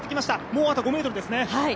もうあと５ｍですね。